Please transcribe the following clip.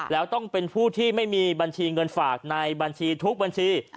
แล้วต้องเป็นผู้ที่ไม่มีบัญชีเงินฝากในบัญชีทุกบัญชี